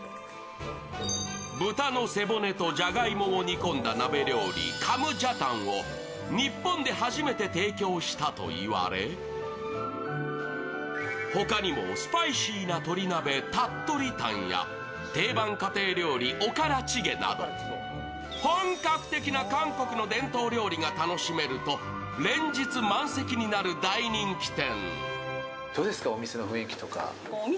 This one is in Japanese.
豚の背骨とじゃがいもを煮込んだ鍋料理、カムジャタンを日本で初めて提供したといわれ他にもスパイシーな鶏鍋タットリタンや定番家庭料理、おからチゲなど本格的な韓国の伝統料理が楽しめると連日、満席になる大人気店。